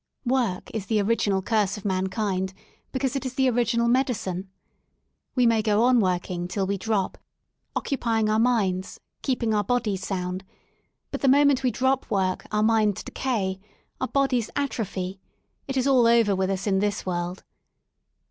Work is the original curse of mankind because it is the original medicine. We may go on working till we drop, occupying our minds, keeping our bodies sound — but the moment we drop work our minds decay, our bodies atrophy, it is all over with us in this world.